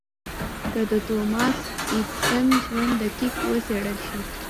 که د توماس ايډېسن ژوند دقيق وڅېړل شي.